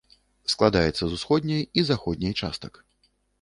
Складаецца з усходняй і заходняй частак.